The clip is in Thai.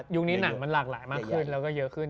นี้หนังมันหลากหลายมากขึ้นแล้วก็เยอะขึ้น